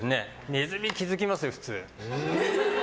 ネズミ、気づきますよ普通。